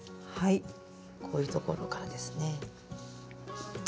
こういうところからですね。